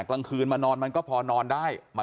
กลางคืนมานอนมันก็พอนอนได้มันไม่ร้อนมาก